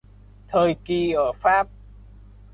Thời kỳ ở Pháp